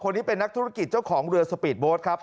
คนนี้เป็นนักธุรกิจเจ้าของเรือสปีดโบสต์ครับ